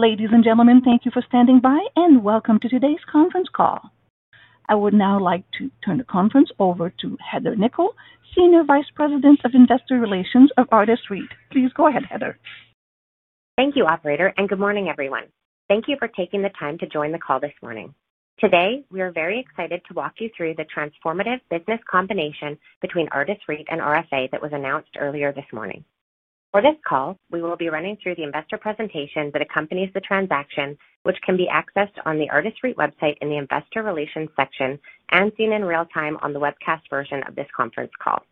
Ladies and gentlemen, thank you for standing by and welcome to today's conference call. I would now like to turn the conference over to Heather Nikkel, Senior Vice President of Investor Relations of Artis Real Estate Investment Trust. Please go ahead, Heather. Thank you, Operator, and good morning, everyone. Thank you for taking the time to join the call this morning. Today, we are very excited to walk you through the transformative business combination between Artis Real Estate Investment Trust and RFA that was announced earlier this morning. For this call, we will be running through the investor presentation that accompanies the transaction, which can be accessed on the Artis Real Estate Investment Trust website in the Investor Relations section and seen in real time on the webcast version of this conference call.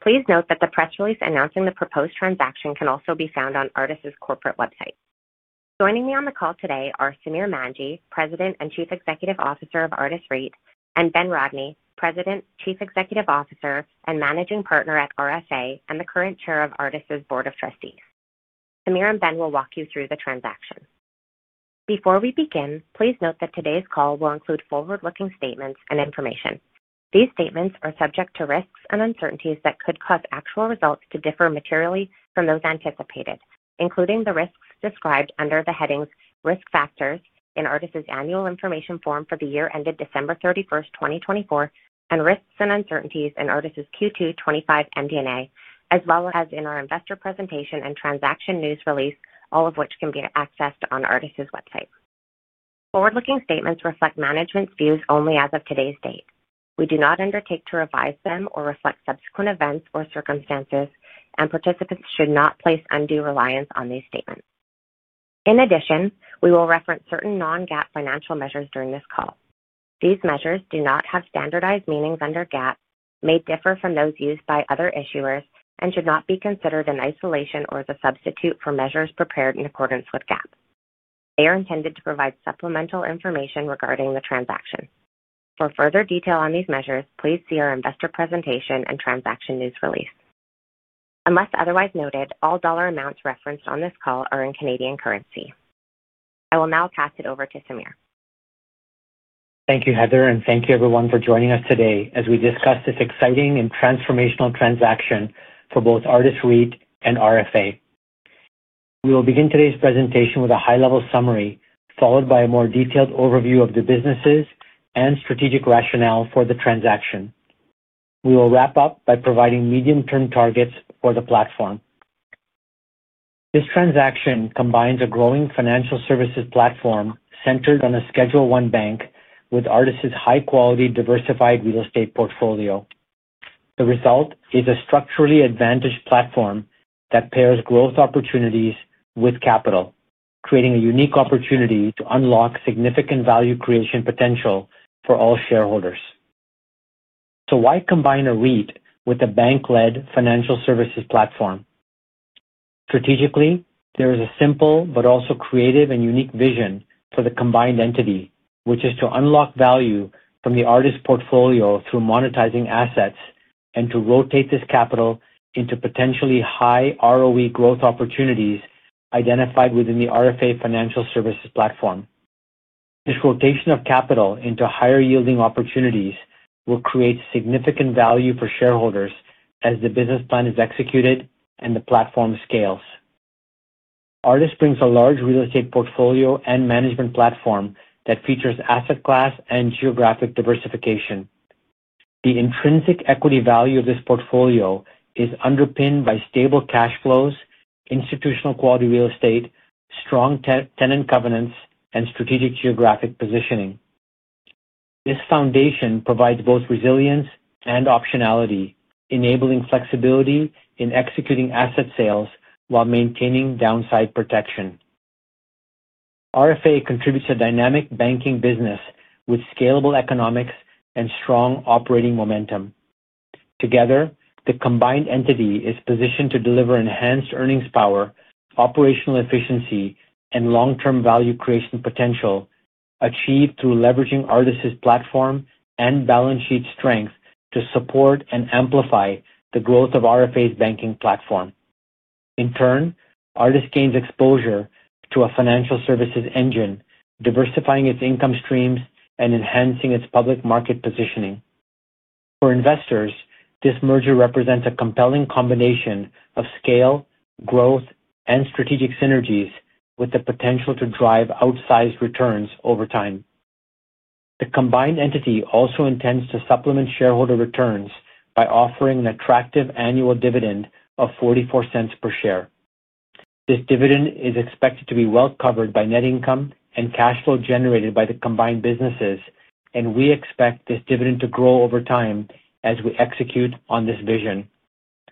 Please note that the press release announcing the proposed transaction can also be found on Artis Real Estate Investment Trust's corporate website. Joining me on the call today are Samir Manji, President and Chief Executive Officer of Artis Real Estate Investment Trust, and Ben Rodney, President, Chief Executive Officer, and Managing Partner at RFA, and the current Chair of Artis Real Estate Investment Trust's Board of Trustees. Samir and Ben will walk you through the transaction. Before we begin, please note that today's call will include forward-looking statements and information. These statements are subject to risks and uncertainties that could cause actual results to differ materially from those anticipated, including the risks described under the headings Risk Factors in Artis Real Estate Investment Trust's annual information form for the year ended December 31, 2024, and Risks and Uncertainties in Artis Real Estate Investment Trust's Q2 2025 MD&A, as well as in our investor presentation and transaction news release, all of which can be accessed on Artis Real Estate Investment Trust's website. Forward-looking statements reflect management's views only as of today's date. We do not undertake to revise them or reflect subsequent events or circumstances, and participants should not place undue reliance on these statements. In addition, we will reference certain non-GAAP financial measures during this call. These measures do not have standardized meanings under GAAP, may differ from those used by other issuers, and should not be considered in isolation or as a substitute for measures prepared in accordance with GAAP. They are intended to provide supplemental information regarding the transaction. For further detail on these measures, please see our investor presentation and transaction news release. Unless otherwise noted, all dollar amounts referenced on this call are in Canadian currency. I will now pass it over to Samir. Thank you, Heather, and thank you everyone for joining us today as we discuss this exciting and transformational transaction for both Artis Real Estate Investment Trust and RFA. We will begin today's presentation with a high-level summary, followed by a more detailed overview of the businesses and strategic rationale for the transaction. We will wrap up by providing medium-term targets for the platform. This transaction combines a growing financial services platform centered on a Schedule 1 bank with Artis's high-quality diversified real estate portfolio. The result is a structurally advantaged platform that pairs growth opportunities with capital, creating a unique opportunity to unlock significant value creation potential for all shareholders. Why combine a REIT with a bank-led financial services platform? Strategically, there is a simple but also creative and unique vision for the combined entity, which is to unlock value from the Artis portfolio through monetizing assets and to rotate this capital into potentially high ROE growth opportunities identified within the RFA financial services platform. This rotation of capital into higher yielding opportunities will create significant value for shareholders as the business plan is executed and the platform scales. Artis brings a large real estate portfolio and management platform that features asset class and geographic diversification. The intrinsic equity value of this portfolio is underpinned by stable cash flows, institutional quality real estate, strong tenant covenants, and strategic geographic positioning. This foundation provides both resilience and optionality, enabling flexibility in executing asset sales while maintaining downside protection. RFA contributes to a dynamic banking business with scalable economics and strong operating momentum. Together, the combined entity is positioned to deliver enhanced earnings power, operational efficiency, and long-term value creation potential achieved through leveraging Artis's platform and balance sheet strength to support and amplify the growth of RFA's banking platform. In turn, Artis gains exposure to a financial services engine, diversifying its income streams and enhancing its public market positioning. For investors, this merger represents a compelling combination of scale, growth, and strategic synergies with the potential to drive outsized returns over time. The combined entity also intends to supplement shareholder returns by offering an attractive annual dividend of $0.44 per share. This dividend is expected to be well covered by net income and cash flow generated by the combined businesses, and we expect this dividend to grow over time as we execute on this vision.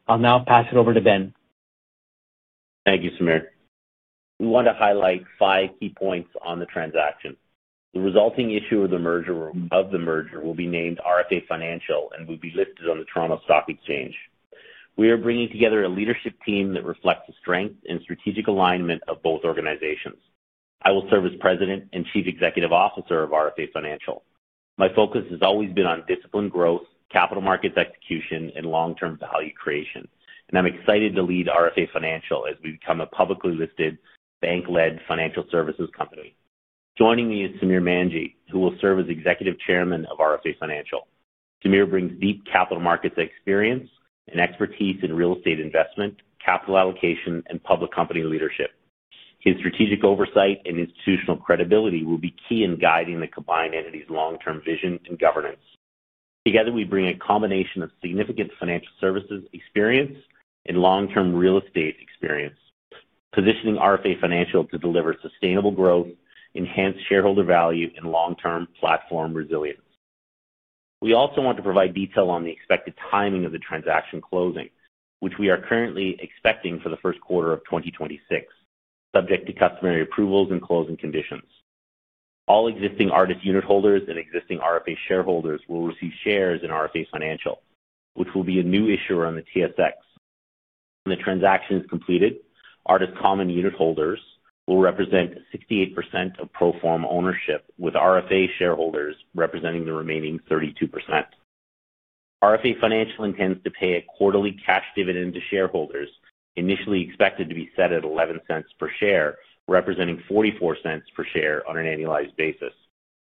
I'll now pass it over to Ben. Thank you, Samir. We want to highlight five key points on the transaction. The resulting issue of the merger will be named RFA Financial and will be listed on the Toronto Stock Exchange. We are bringing together a leadership team that reflects the strength and strategic alignment of both organizations. I will serve as President and Chief Executive Officer of RFA Financial. My focus has always been on disciplined growth, capital markets execution, and long-term value creation, and I'm excited to lead RFA Financial as we become a publicly listed bank-led financial services company. Joining me is Samir Manji, who will serve as Executive Chairman of RFA Financial. Samir brings deep capital markets experience and expertise in real estate investment, capital allocation, and public company leadership. His strategic oversight and institutional credibility will be key in guiding the combined entity's long-term vision and governance. Together, we bring a combination of significant financial services experience and long-term real estate experience, positioning RFA Financial to deliver sustainable growth, enhanced shareholder value, and long-term platform resilience. We also want to provide detail on the expected timing of the transaction closing, which we are currently expecting for the first quarter of 2026, subject to customary approvals and closing conditions. All existing Artis unit holders and existing RFA shareholders will receive shares in RFA Financial, which will be a new issuer on the TSX. When the transaction is completed, Artis common unit holders will represent 68% of pro forma ownership, with RFA shareholders representing the remaining 32%. RFA Financial intends to pay a quarterly cash dividend to shareholders, initially expected to be set at $0.11 per share, representing $0.44 per share on an annualized basis,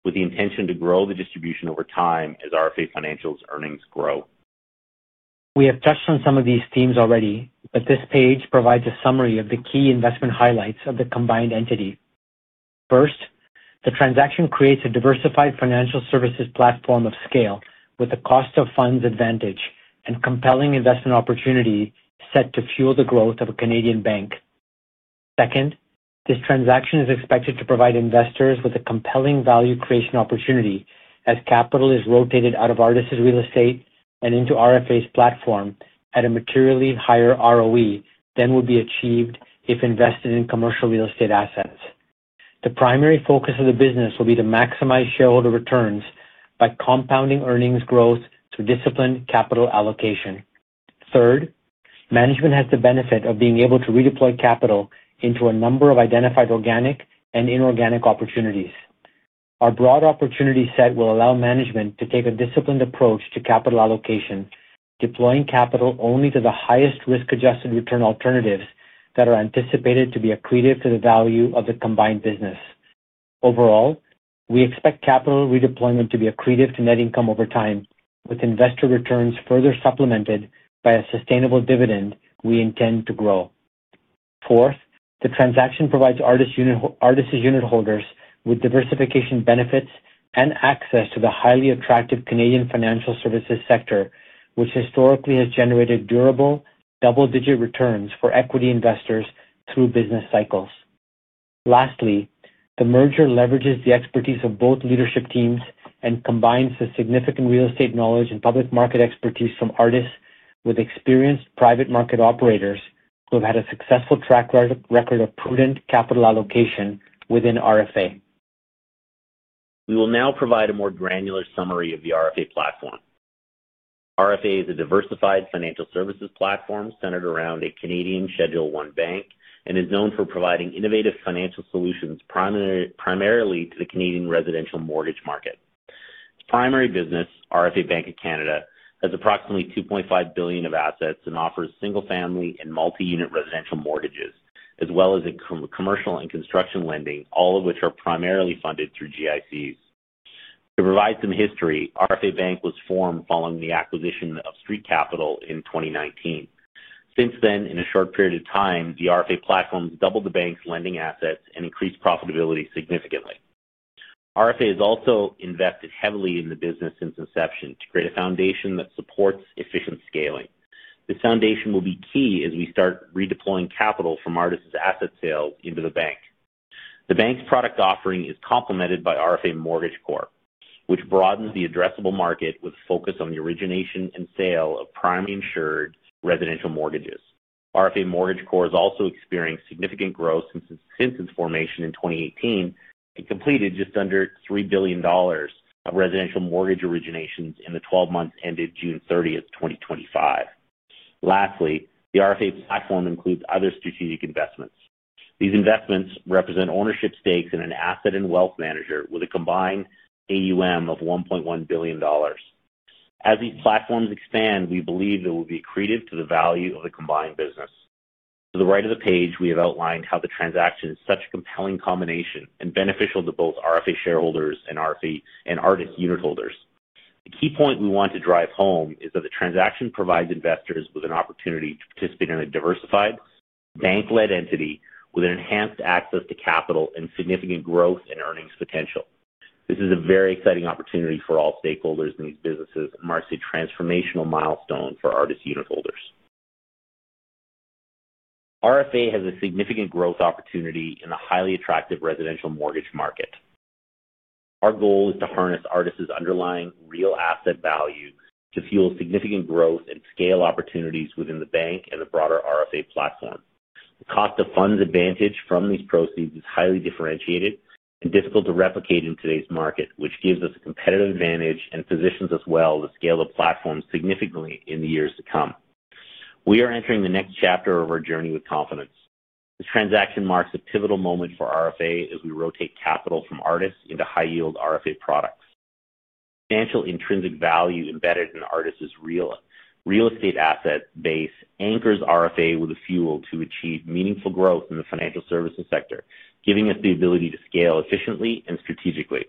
with the intention to grow the distribution over time as RFA Financial's earnings grow. We have touched on some of these themes already, but this page provides a summary of the key investment highlights of the combined entity. First, the transaction creates a diversified financial services platform of scale with a cost-of-funds advantage and compelling investment opportunity set to fuel the growth of a Canadian bank. Second, this transaction is expected to provide investors with a compelling value creation opportunity as capital is rotated out of Artis's real estate and into RFA's platform at a materially higher ROE than would be achieved if invested in commercial real estate assets. The primary focus of the business will be to maximize shareholder returns by compounding earnings growth through disciplined capital allocation. Third, management has the benefit of being able to redeploy capital into a number of identified organic and inorganic opportunities. Our broad opportunity set will allow management to take a disciplined approach to capital allocation, deploying capital only to the highest risk-adjusted return alternatives that are anticipated to be accretive to the value of the combined business. Overall, we expect capital redeployment to be accretive to net income over time, with investor returns further supplemented by a sustainable dividend we intend to grow. Fourth, the transaction provides Artis's unit holders with diversification benefits and access to the highly attractive Canadian financial services sector, which historically has generated durable double-digit returns for equity investors through business cycles. Lastly, the merger leverages the expertise of both leadership teams and combines the significant real estate knowledge and public market expertise from Artis with experienced private market operators who have had a successful track record of prudent capital allocation within RFA. We will now provide a more granular summary of the RFA platform. RFA is a diversified financial services platform centered around a Canadian Schedule 1 bank and is known for providing innovative financial solutions primarily to the Canadian residential mortgage market. Primary business, RFA Bank of Canada, has approximately $2.5 billion of assets and offers single-family and multi-unit residential mortgages, as well as commercial and construction lending, all of which are primarily funded through GICs. To provide some history, RFA Bank was formed following the acquisition of Street Capital in 2019. Since then, in a short period of time, the RFA platform has doubled the bank's lending assets and increased profitability significantly. RFA has also invested heavily in the business since inception to create a foundation that supports efficient scaling. This foundation will be key as we start redeploying capital from Artis's asset sale into the bank. The bank's product offering is complemented by RFA Mortgage Corp, which broadens the addressable market with a focus on the origination and sale of privately insured residential mortgages. RFA Mortgage Corp is also experiencing significant growth since its formation in 2018 and completed just under $3 billion of residential mortgage originations in the 12 months ended June 30, 2025. Lastly, the RFA platform includes other strategic investments. These investments represent ownership stakes in an asset and wealth manager with a combined AUM of $1.1 billion. As these platforms expand, we believe they will be accretive to the value of the combined business. To the right of the page, we have outlined how the transaction is such a compelling combination and beneficial to both RFA shareholders and Artis unit holders. The key point we want to drive home is that the transaction provides investors with an opportunity to participate in a diversified bank-led entity with enhanced access to capital and significant growth in earnings potential. This is a very exciting opportunity for all stakeholders in these businesses and marks a transformational milestone for Artis unit holders. RFA has a significant growth opportunity in the highly attractive residential mortgage market. Our goal is to harness Artis's underlying real asset value to fuel significant growth and scale opportunities within the bank and the broader RFA platform. The cost-of-funds advantage from these proceeds is highly differentiated and difficult to replicate in today's market, which gives us a competitive advantage and positions us well to scale the platform significantly in the years to come. We are entering the next chapter of our journey with confidence. This transaction marks a pivotal moment for RFA as we rotate capital from Artis into high-yield RFA products. The financial intrinsic value embedded in Artis's real estate asset base anchors RFA with the fuel to achieve meaningful growth in the financial services sector, giving us the ability to scale efficiently and strategically.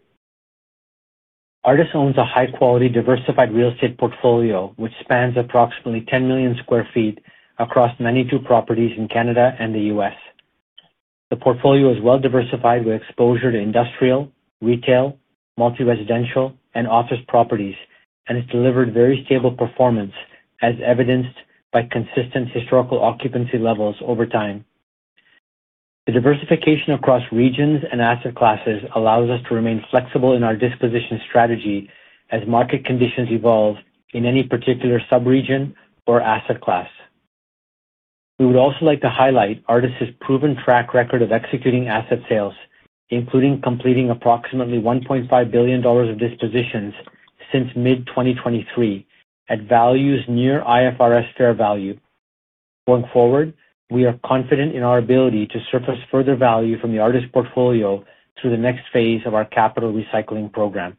Artis owns a high-quality diversified real estate portfolio, which spans approximately 10 million square feet across 92 properties in Canada and the U.S. The portfolio is well diversified with exposure to industrial, retail, multi-residential, and office properties, and it's delivered very stable performance, as evidenced by consistent historical occupancy levels over time. The diversification across regions and asset classes allows us to remain flexible in our disposition strategy as market conditions evolve in any particular sub-region or asset class. We would also like to highlight Artis's proven track record of executing asset dispositions, including completing approximately $1.5 billion of dispositions since mid-2023 at values near IFRS fair value. Going forward, we are confident in our ability to surface further value from the Artis portfolio through the next phase of our capital recycling program.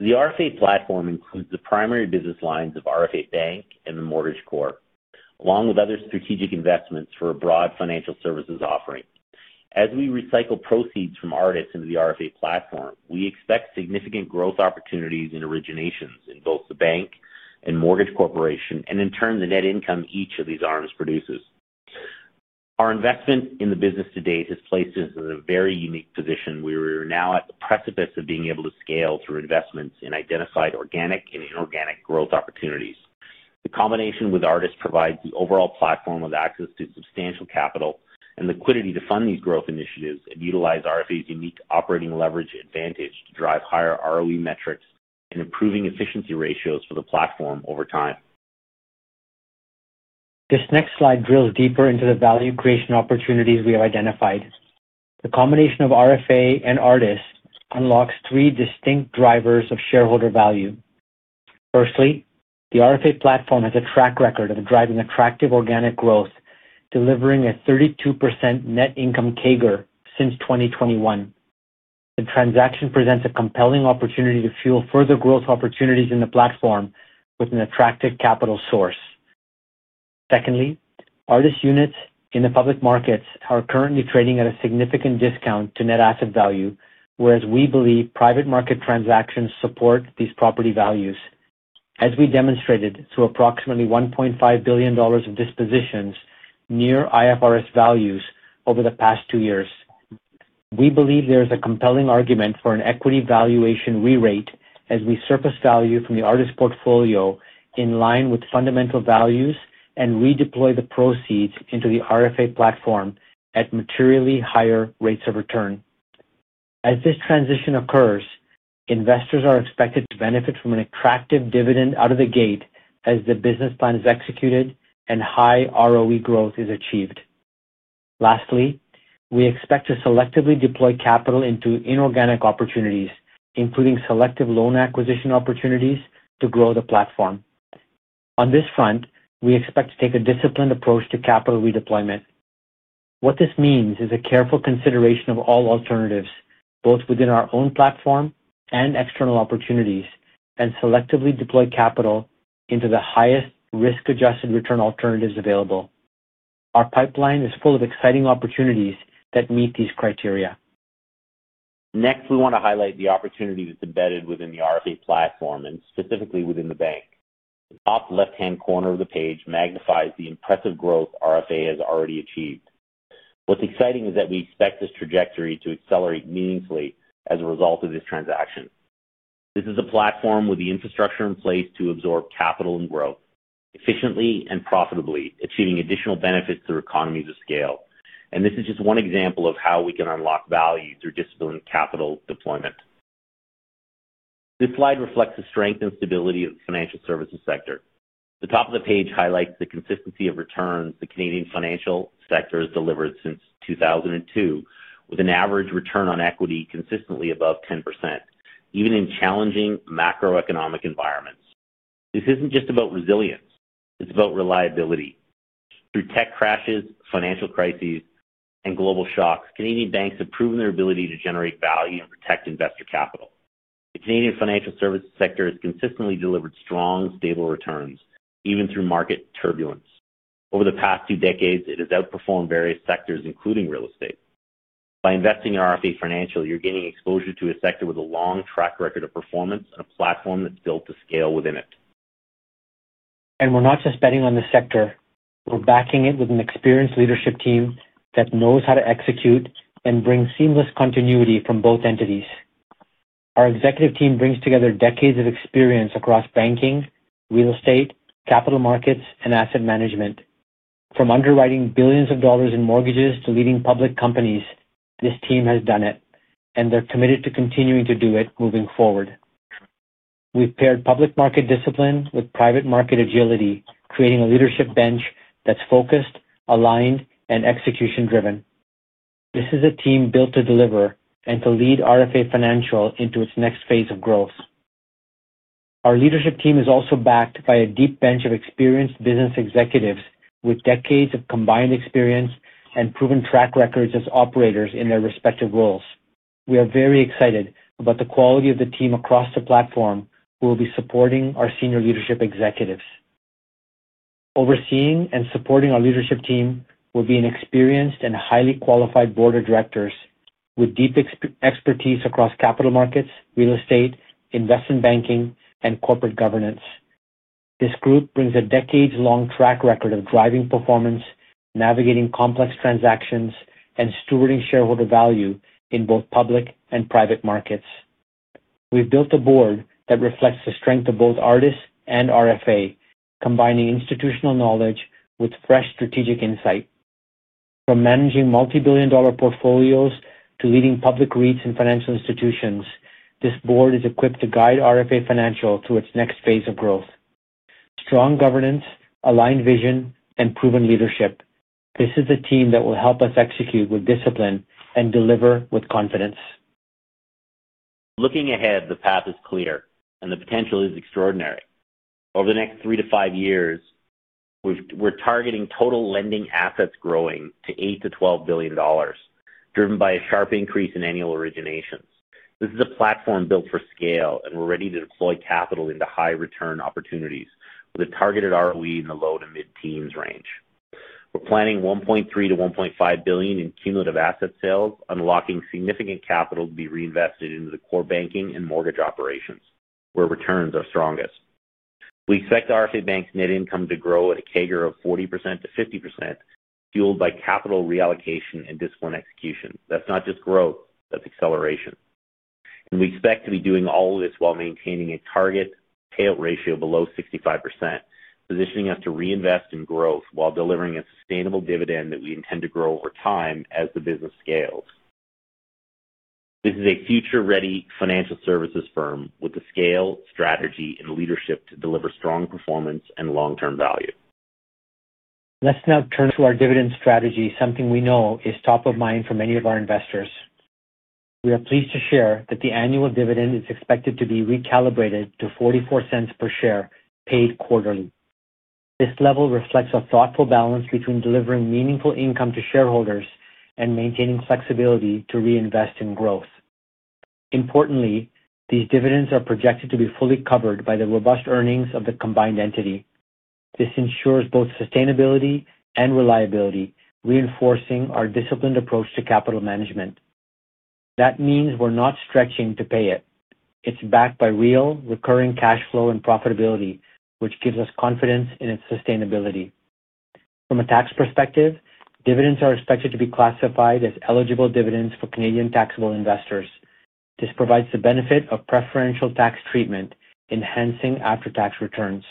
The RFA platform includes the primary business lines of RFA Bank of Canada and RFA Mortgage Corp, along with other strategic investments for a broad financial services offering. As we recycle proceeds from Artis Real Estate Investment Trust into the RFA platform, we expect significant growth opportunities in originations in both the bank and mortgage corporation, and in turn, the net income each of these arms produces. Our investment in the business to date has placed us in a very unique position where we are now at the precipice of being able to scale through investments in identified organic and inorganic growth opportunities. The combination with Artis Real Estate Investment Trust provides the overall platform with access to substantial capital and liquidity to fund these growth initiatives and utilize RFA's unique operating leverage advantage to drive higher ROE metrics and improving efficiency ratios for the platform over time. This next slide drills deeper into the value creation opportunities we have identified. The combination of RFA and Artis unlocks three distinct drivers of shareholder value. Firstly, the RFA platform has a track record of driving attractive organic growth, delivering a 32% net income CAGR since 2021. The transaction presents a compelling opportunity to fuel further growth opportunities in the platform with an attractive capital source. Secondly, Artis units in the public markets are currently trading at a significant discount to net asset value, whereas we believe private market transactions support these property values, as we demonstrated through approximately $1.5 billion of dispositions near IFRS values over the past two years. We believe there is a compelling argument for an equity valuation re-rate as we surface value from the Artis portfolio in line with fundamental values and redeploy the proceeds into the RFA platform at materially higher rates of return. As this transition occurs, investors are expected to benefit from an attractive dividend out of the gate as the business plan is executed and high ROE growth is achieved. Lastly, we expect to selectively deploy capital into inorganic opportunities, including selective loan acquisition opportunities to grow the platform. On this front, we expect to take a disciplined approach to capital redeployment. What this means is a careful consideration of all alternatives, both within our own platform and external opportunities, and selectively deploy capital into the highest risk-adjusted return alternatives available. Our pipeline is full of exciting opportunities that meet these criteria. Next, we want to highlight the opportunity that's embedded within the RFA platform and specifically within the bank. The top left-hand corner of the page magnifies the impressive growth RFA has already achieved. What's exciting is that we expect this trajectory to accelerate meaningfully as a result of this transaction. This is a platform with the infrastructure in place to absorb capital and growth efficiently and profitably, achieving additional benefits through economies of scale. This is just one example of how we can unlock value through disciplined capital deployment. This slide reflects the strength and stability of the financial services sector. The top of the page highlights the consistency of returns the Canadian financial sector has delivered since 2002, with an average return on equity consistently above 10%, even in challenging macroeconomic environments. This isn't just about resilience; it's about reliability. Through tech crashes, financial crises, and global shocks, Canadian banks have proven their ability to generate value and protect investor capital. The Canadian financial services sector has consistently delivered strong, stable returns, even through market turbulence. Over the past two decades, it has outperformed various sectors, including real estate. By investing in RFA Financial, you're gaining exposure to a sector with a long track record of performance and a platform that's built to scale within it. We are not just betting on the sector. We are backing it with an experienced leadership team that knows how to execute and bring seamless continuity from both entities. Our executive team brings together decades of experience across banking, real estate, capital markets, and asset management. From underwriting billions of dollars in mortgages to leading public companies, this team has done it, and they're committed to continuing to do it moving forward. We have paired public market discipline with private market agility, creating a leadership bench that's focused, aligned, and execution-driven. This is a team built to deliver and to lead RFA Financial into its next phase of growth. Our leadership team is also backed by a deep bench of experienced business executives with decades of combined experience and proven track records as operators in their respective roles. We are very excited about the quality of the team across the platform who will be supporting our senior leadership executives. Overseeing and supporting our leadership team will be an experienced and highly qualified board of directors with deep expertise across capital markets, real estate, investment banking, and corporate governance. This group brings a decades-long track record of driving performance, navigating complex transactions, and stewarding shareholder value in both public and private markets. We have built a board that reflects the strength of both Artis and RFA, combining institutional knowledge with fresh strategic insight. From managing multi-billion dollar portfolios to leading public REITs and financial institutions, this board is equipped to guide RFA Financial through its next phase of growth. Strong governance, aligned vision, and proven leadership, this is the team that will help us execute with discipline and deliver with confidence. Looking ahead, the path is clear, and the potential is extraordinary. Over the next three to five years, we're targeting total lending assets growing to $8 billion to $12 billion, driven by a sharp increase in annual originations. This is a platform built for scale, and we're ready to deploy capital into high-return opportunities with a targeted ROE in the low to mid-teens range. We're planning $1.3 billion to $1.5 billion in cumulative asset sales, unlocking significant capital to be reinvested into the core banking and mortgage operations, where returns are strongest. We expect RFA Bank's net income to grow at a CAGR of 40% to 50%, fueled by capital reallocation and disciplined execution. That is not just growth; that is acceleration. We expect to be doing all this while maintaining a target payout ratio below 65%, positioning us to reinvest in growth while delivering a sustainable dividend that we intend to grow over time as the business scales. This is a future-ready financial services firm with the scale, strategy, and leadership to deliver strong performance and long-term value. Let's now turn to our dividend strategy, something we know is top of mind for many of our investors. We are pleased to share that the annual dividend is expected to be recalibrated to $0.44 per share, paid quarterly. This level reflects a thoughtful balance between delivering meaningful income to shareholders and maintaining flexibility to reinvest in growth. Importantly, these dividends are projected to be fully covered by the robust earnings of the combined entity. This ensures both sustainability and reliability, reinforcing our disciplined approach to capital management. That means we're not stretching to pay it. It's backed by real recurring cash flow and profitability, which gives us confidence in its sustainability. From a tax perspective, dividends are expected to be classified as eligible dividends for Canadian taxable investors. This provides the benefit of preferential tax treatment, enhancing after-tax returns.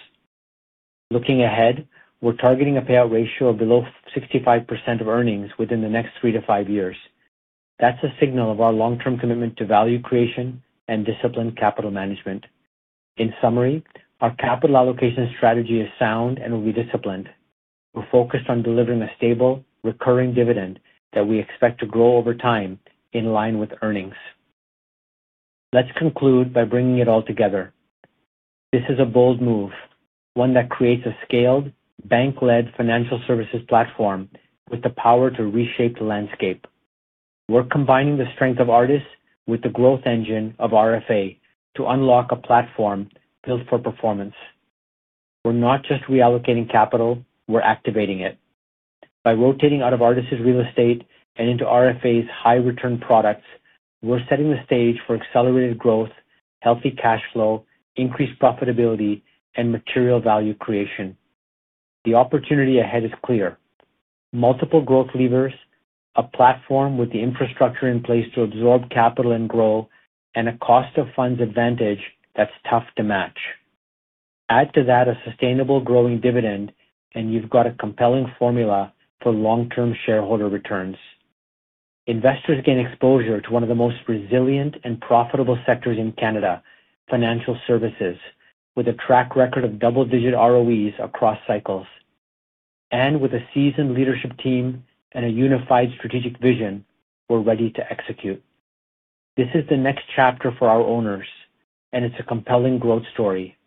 Looking ahead, we're targeting a payout ratio of below 65% of earnings within the next three to five years. That's a signal of our long-term commitment to value creation and disciplined capital management. In summary, our capital allocation strategy is sound and will be disciplined. We're focused on delivering a stable, recurring dividend that we expect to grow over time in line with earnings. Let's conclude by bringing it all together. This is a bold move, one that creates a scaled bank-led financial services platform with the power to reshape the landscape. We're combining the strength of Artis with the growth engine of RFA to unlock a platform built for performance. We're not just reallocating capital; we're activating it. By rotating out of Artis's real estate and into RFA's high-return products, we're setting the stage for accelerated growth, healthy cash flow, increased profitability, and material value creation. The opportunity ahead is clear. Multiple growth levers, a platform with the infrastructure in place to absorb capital and grow, and a cost-of-funds advantage that's tough to match. Add to that a sustainable growing dividend, and you've got a compelling formula for long-term shareholder returns. Investors gain exposure to one of the most resilient and profitable sectors in Canada, financial services, with a track record of double-digit ROEs across cycles. With a seasoned leadership team and a unified strategic vision, we're ready to execute. This is the next chapter for our owners, and it's a compelling growth story.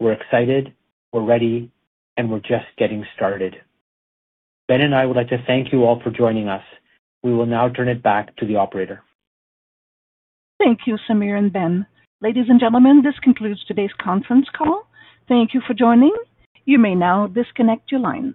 We're excited, we're ready, and we're just getting started. Ben and I would like to thank you all for joining us. We will now turn it back to the Operator. Thank you, Samir and Ben. Ladies and gentlemen, this concludes today's conference call. Thank you for joining. You may now disconnect your line.